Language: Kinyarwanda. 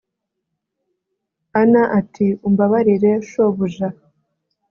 ana ati umbabarire, shobuja